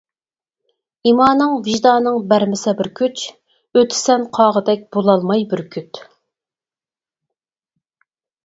ئىمانىڭ، ۋىجدانىڭ بەرمىسە بىر كۈچ، ئۆتىسەن قاغىدەك بولالماي بۈركۈت.